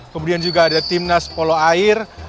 kemudian juga ada timnas polo air